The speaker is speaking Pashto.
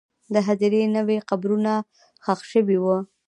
د هدیرې نوې قبرونه ښخ شوي وو.